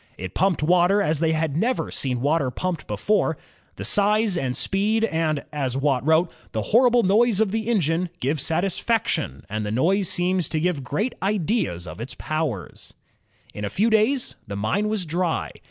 It pumped water as they had never seen water pumped before. The size, the speed, and 'Hhe horrible noise of the engine,'' wrote Watt, *^give satisfaction ... and the noise seems to give great ideas of its powers." In a few days the mine was dry.